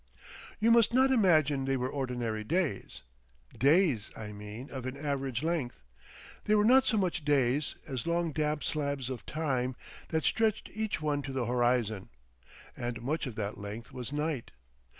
You must not imagine they were ordinary days, days, I mean, of an average length; they were not so much days as long damp slabs of time that stretched each one to the horizon, and much of that length was night.